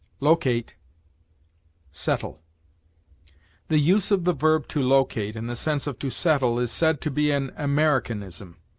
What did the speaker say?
LOCATE SETTLE. The use of the verb to locate in the sense of to settle is said to be an Americanism.